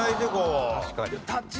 確かに。